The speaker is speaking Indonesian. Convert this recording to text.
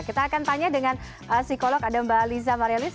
kita akan tanya dengan psikolog ada mbak lisa marialis